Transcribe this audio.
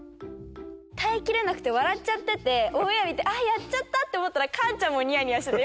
耐えきれなくて笑っちゃっててオンエア見てあっやっちゃったって思ったら母ちゃんもにやにやしてて。